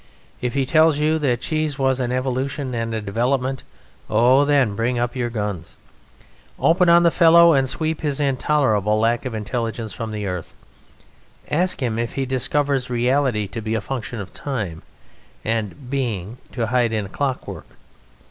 If he tells you that cheese was an evolution and a development, oh! then! bring up your guns! Open on the fellow and sweep his intolerable lack of intelligence from the earth. Ask him if he discovers reality to be a function of time, and Being to hide in clockwork.